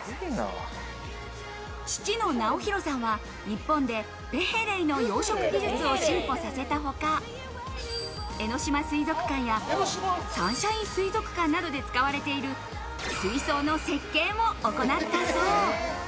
父の直弘さんは日本でペヘレイの養殖技術を進歩させたほか、江ノ島水族館やサンシャイン水族館などで使われている水槽の設計も行ったそう。